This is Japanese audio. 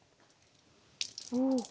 おお！